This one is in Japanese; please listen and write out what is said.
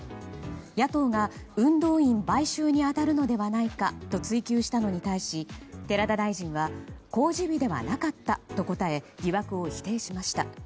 野党が、運動員買収に当たるのではないかと追及したのに対し、寺田大臣は公示日ではなかったと答え疑惑を否定しました。